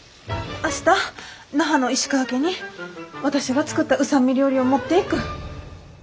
明日那覇の石川家に私が作った御三味料理を持っていく。